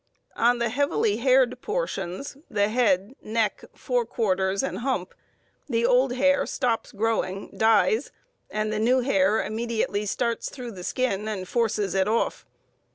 On the heavily haired portions the head, neck, fore quarters, and hump the old hair stops growing, dies, and the new hair immediately starts through the skin and forces it off.